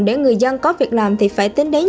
để người dân có việc làm thì phải tính đến